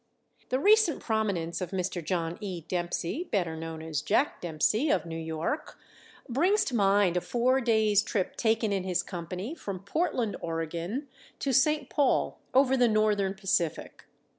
The recent prominence of Mr. John E. Dempsey, better known as Jack Dempsey, of New York, brings to mind a four days' trip taken in his company from Portland, Oregon, to St. Paul, over the Northern Pacific.